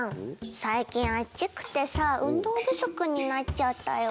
最近あっちくてさ運動不足になっちゃったよ。